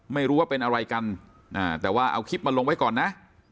ไม่รู้ว่าเป็นอะไรกันแต่ว่าเอาคลิปมาลงไว้ก่อนนะ